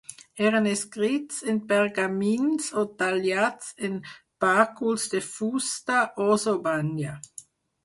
Eren escrits en pergamins o tallats en bàculs de fusta, os o banya.